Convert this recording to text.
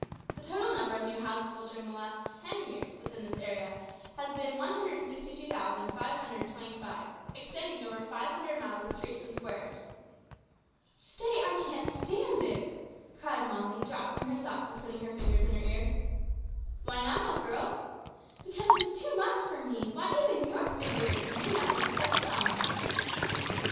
The total number of new houses built during the last ten years within this area has been 162,525, extending over 500 miles of streets and squares!" "Stay, I can't stand it!" cried Molly, dropping her sock and putting her fingers in her ears. "Why not, old girl?" "Because it is too much for me; why, even your figure is a mere nothing to such sums!"